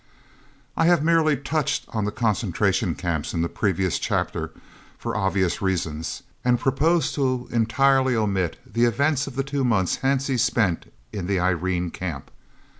I have merely touched on the Concentration Camps in the previous chapter, for obvious reasons, and propose to entirely omit the events of the two months Hansie spent in the Irene Camp.